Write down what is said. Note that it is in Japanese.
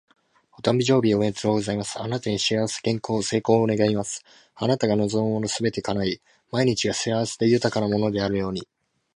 お誕生日おめでとうございます！あなたに幸せ、健康、成功を願います。あなたが望むものがすべて叶い、毎日が幸せで豊かなものであるように。